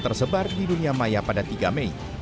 tersebar di dunia maya pada tiga mei